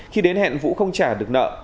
khi đến hẹn vũ không trả được nợ